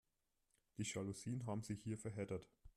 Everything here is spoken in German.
Die Jalousien haben sich hier verheddert.